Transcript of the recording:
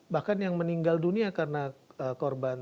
bahkan yang meninggal dunia karena korban